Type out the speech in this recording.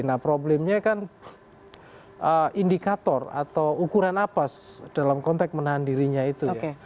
nah problemnya kan indikator atau ukuran apa dalam konteks menahan dirinya itu ya